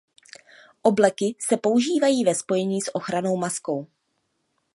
Obleky se používají ve spojení s ochrannou maskou.